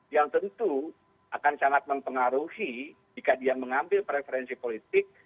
yang tentu akan sangat mempengaruhi jika dia mengambil preferensi politik